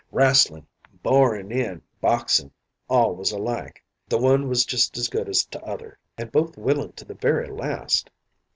'Rastlin', borin' in, boxin' all was alike. The one was just as good as t'other. An' both willin' to the very last.